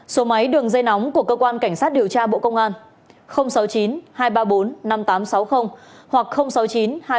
số máy đường dây nóng của cơ quan cảnh sát điều tra bộ công an sáu mươi chín hai trăm ba mươi bốn năm nghìn tám trăm sáu mươi hoặc sáu mươi chín hai trăm ba mươi hai một nghìn sáu trăm sáu mươi bảy